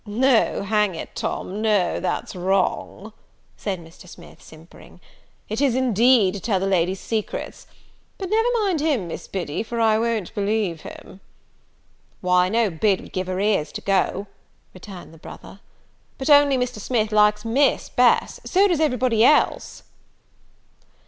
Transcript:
"No, hang it, Tom, no, that's wrong," said Mr. Smith, simpering; "it is indeed, to tell the lady's secrets. But never mind him, Miss Biddy, for I won't believe him." "Why, I know Bid would give her ears to go," returned the brother; "but only Mr. Smith likes Miss best, so does every body else."